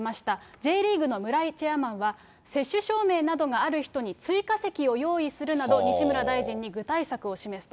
Ｊリーグの村井チェアマンは、接種証明などがある人に追加席を用意するなど、西村大臣に具体策を示すと。